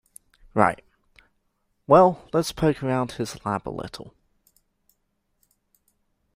Right, well let's poke around his lab a little.